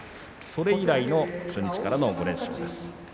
それ以来の初日から５連勝です。